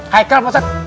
haikal pak ustadz